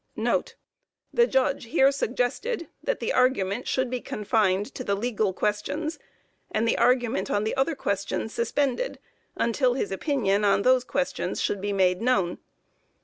[The Judge here suggested that the argument should be confined to the legal questions, and the argument on the other question suspended, until his opinion on those questions should be made known.